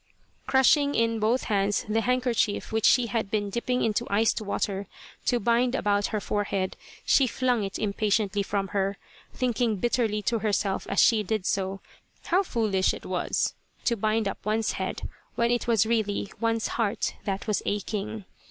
Crushing in both hands the handkerchief which she had been dipping into iced water to bind about her forehead, she flung it impatiently from her, thinking bitterly to herself as she did so how foolish it was to bind up one's head when it was really one's heart that was aching.